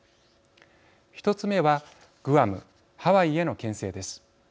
１つ目はグアム、ハワイへのけん制です。